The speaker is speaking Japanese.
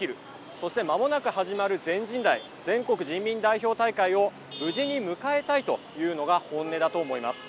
そして、まもなく始まる全人代＝全国人民代表大会を無事に迎えたいというのが本音だと思います。